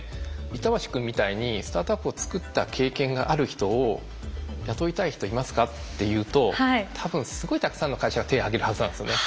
板橋君みたいにスタートアップを作った経験がある人を「雇いたい人いますか？」って言うと多分すごいたくさんの会社が手挙げるはずなんですよね。